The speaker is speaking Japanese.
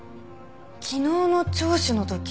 昨日の聴取の時。